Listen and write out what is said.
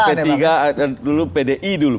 pertiga dulu pdi dulu